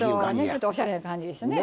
ちょっとおしゃれな感じですね。